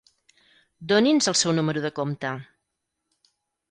Doni'ns el seu número de compte.